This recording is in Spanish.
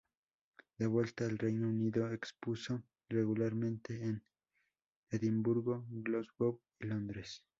De vuelta al Reino Unido, expuso regularmente en Edinburgo, Glasgow y Londres.